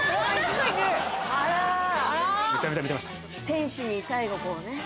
天使に最後こうね。はい。